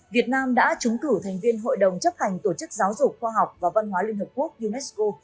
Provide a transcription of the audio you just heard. việt nam đã trúng cử thành viên hội đồng chấp hành tổ chức giáo dục khoa học và văn hóa liên hợp quốc unesco